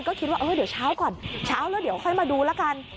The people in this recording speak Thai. ก็คิดว่าเออเดี๋ยวเช้าก่อนเช้าแล้วเดี๋ยวค่อยมาดูแล้วกัน